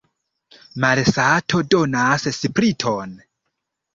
Malsato donas spriton.